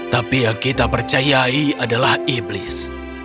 tapi yang kita percayai adalah iblis